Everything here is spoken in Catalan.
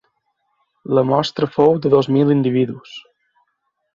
La mostra fou de dos mil individus.